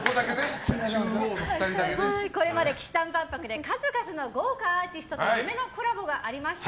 これまで氣志團万博で数々の豪華アーティストと夢のコラボがありました。